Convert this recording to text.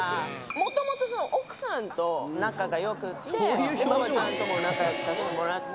もともと奥さんと仲がよくって、馬場ちゃんとも仲よくさせてもらって。